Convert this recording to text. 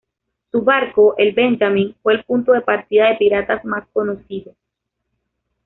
Su barco el "Benjamin" fue el punto de partida de piratas más conocidos.